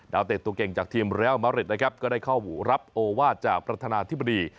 เตะตัวเก่งจากทีมเรียลมาริดนะครับก็ได้เข้ารับโอวาสจากประธานาธิบดี